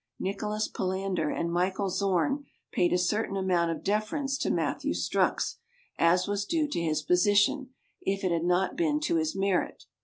Nicholas Palander and Michael Zorn paid a certain amount of deference to Matthew Strux, as was due to his position, if it had not been to his merit.